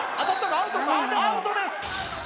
アウトです